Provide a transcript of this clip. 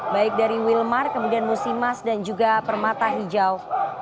baik dari wilmar kemudian musimas dan juga permata hijau